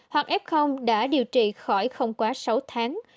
hoặc f đã điều trị khỏi không quá sáu tháng